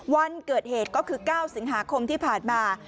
วันเกิดเหตุก็คือ๙สิงหาคมที่ผ่านมา